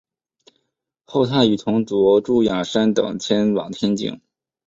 后他与同族朱仰山等迁往天津。